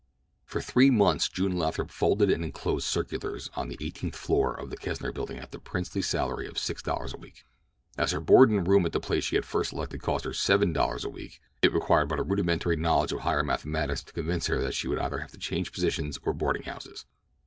For three months June Lathrop folded and enclosed circulars on the eighteenth floor of the Kesner Building at the princely salary of six dollars a week. As her board and room at the place she had first selected cost her seven dollars a week, it required but a rudimentary knowledge of higher mathematics to convince her that she would either have to change positions or boarding houses.